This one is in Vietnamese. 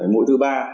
mũi thứ ba